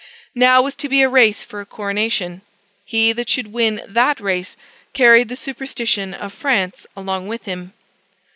Now was to be a race for a coronation: he that should win that race, carried the superstition of France along with him.